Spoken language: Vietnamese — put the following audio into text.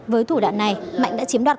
với thủ đoạn này mạnh đã chiếm đoạt